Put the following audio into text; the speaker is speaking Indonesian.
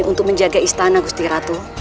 untuk menjaga istana gusti ratu